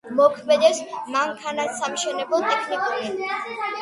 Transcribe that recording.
მოქმედებს მანქანათსამშენებლო ტექნიკუმი.